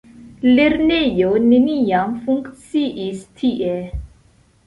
Lernejo neniam funkciis tie.